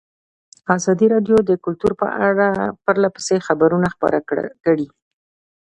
ازادي راډیو د کلتور په اړه پرله پسې خبرونه خپاره کړي.